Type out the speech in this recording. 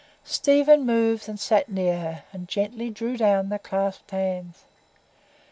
Stephen moved and sat near her, and gently drew down the clasped hands.